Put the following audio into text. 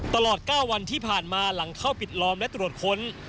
ตลอด๙วันที่ผ่านมาหลังเข้าปิดล้อมและตรวจค้น